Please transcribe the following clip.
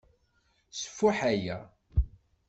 Sfuḥ aya.